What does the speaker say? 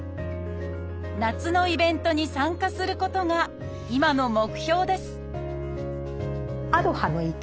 夏のイベントに参加することが今の目標です